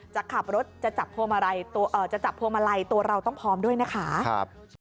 จะขับรถจะจับพวงมาลัยตัวเราต้องพร้อมด้วยนะคะ